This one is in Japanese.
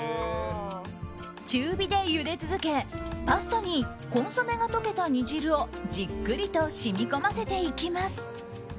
中火でゆで続けパスタにコンソメが溶けた煮汁をじっくりと染み込ませていきます。